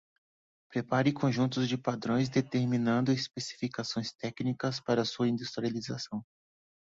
Prepare conjuntos de padrões determinando especificações técnicas para sua industrialização.